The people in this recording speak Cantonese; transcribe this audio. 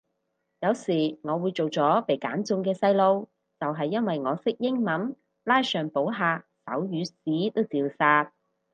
有時我會做咗被揀中嘅細路就係因為我識英文，拉上補下手語屎都照殺